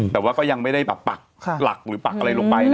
แต่ว่าก็ยังไม่ได้แบบปักหลักหรือปักอะไรลงไปนะ